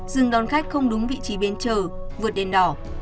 dừng đón khách không đúng vị trí bến trở vượt đèn đỏ